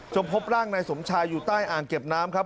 พบร่างนายสมชายอยู่ใต้อ่างเก็บน้ำครับ